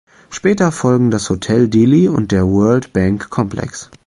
Später folgen das Hotel Dili und der World Bank Complex.